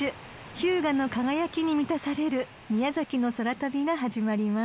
［日向の輝きに満たされる宮崎の空旅が始まります］